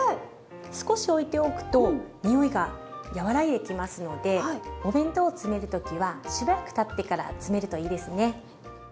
少しおいておくと匂いが和らいできますのでお弁当を詰める時はしばらくたってから詰めるといいですね。